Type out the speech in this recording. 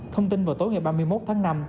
thông tin vào tối ngày ba mươi một tháng năm